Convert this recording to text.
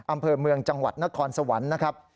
อำเภอเมืองจังหวัดนครสวรรค์นะครับ